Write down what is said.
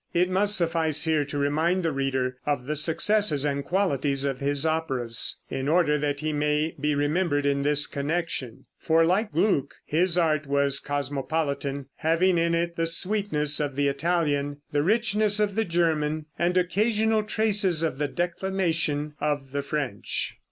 It must suffice here to remind the reader of the successes and qualities of his operas, in order that he may be remembered in this connection; for, like Gluck, his art was cosmopolitan, having in it the sweetness of the Italian, the richness of the German, and occasional traces of the declamation of the French.